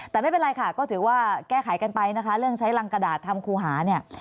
แต่ไม่เป็นไรค่ะก็ถือว่าแก้ไขกันไปนะคะเรื่องใช้รังกระดาษทำครูหาเนี่ย